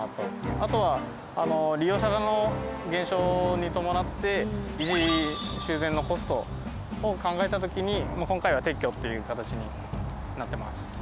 あとは利用者の減少に伴って維持修繕のコストを考えた時に今回は撤去っていう形になってます。